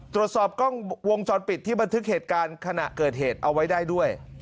ดับสอบกล้องวงจอดปิดที่บันทึกเหตุการณ์เอาวิชัยไว้ด้วย